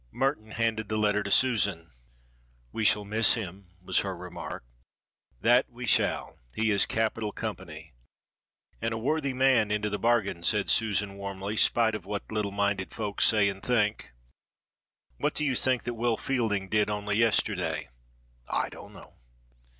Merton handed the letter to Susan. "We shall miss him," was her remark. "That we shall. He is capital company." "And a worthy man into the bargain," said Susan warmly, "spite of what little minded folk say and think. What do you think that Will Fielding did only yesterday?" "I don't know."